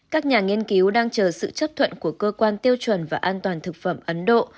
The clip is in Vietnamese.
các nhà nghiên cứu đang chờ sự chấp thuận của cơ quan tiêu chuẩn và an toàn thực phẩm ấn độ